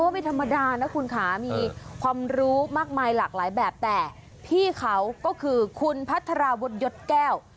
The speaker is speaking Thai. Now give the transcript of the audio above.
ไม่ธรรมดานะคุณค่ะมีความรู้มากมายหลากหลายแบบแต่พี่เขาก็คือคุณพัทราวุฒิยศแก้ว